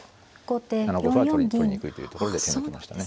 ７五歩は取りにくいというところで手抜きましたね。